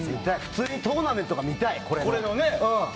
普通にトーナメントが見たいこれの。